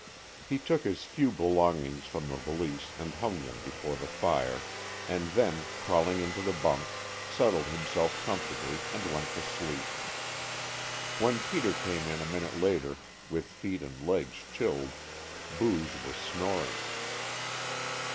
He took his few belongings from the valise and hung them before the fire and then, crawling into the bunk, settled himself comfortably, and went to sleep. When Peter came in a minute later, with feet and legs chilled, Booge was snoring.